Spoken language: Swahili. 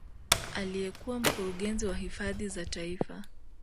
Aliyekuwa mkurugenzi wa hifadhi za taifa